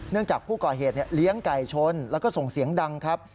จากผู้ก่อเหตุเลี้ยงไก่ชนแล้วก็ส่งเสียงดังครับ